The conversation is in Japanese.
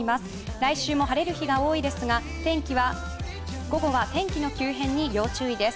来週は晴れる日が多いですが午後は天気の急変に要注意です。